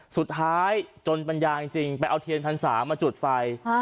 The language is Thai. สุดท้ายจนปัญญาจริงไปเอาเทียนทันสามาจุดไฟ